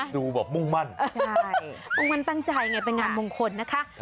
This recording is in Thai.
ดูแบบมุ่งมั่นใช่มุ่งมั่นตั้งใจไงเป็นงานมงคลนะคะ